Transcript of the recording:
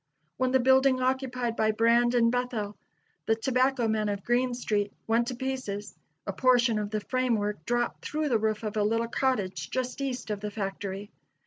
When the building occupied by Brand & Bethel, the tobacco men of Green street, went to pieces, a portion of the frame work dropped through the roof of a little cottage just east of the factory.